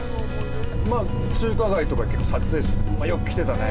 中華街とか、結構撮影、よく来てたね。